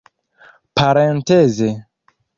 parenteze